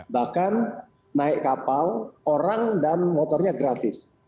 bahkan naik kapal orang dan motornya gratis